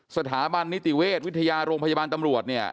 สถาบันนิติเวชวิทยาโรงพยาบาลตำรวจเนี่ย